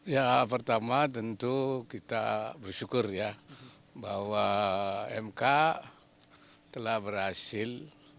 ya pertama tentu kita bersyukur ya bahwa mk telah berhasil